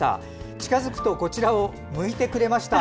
近づくとこちらを向いてくれました。